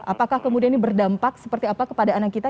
apakah kemudian ini berdampak seperti apa kepada anak kita